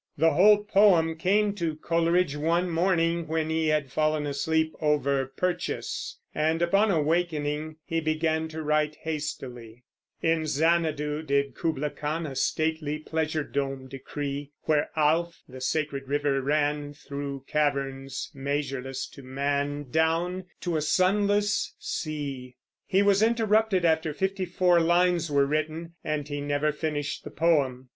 The whole poem came to Coleridge one morning when he had fallen asleep over Purchas, and upon awakening he began to write hastily, In Xanadu did Kubla Khan A stately pleasure dome decree: Where Alph, the sacred river, ran Through caverns measureless to man Down to a sunless sea. He was interrupted after fifty four lines were written, and he never finished the poem.